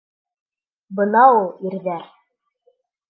Бына ул ирҙәр!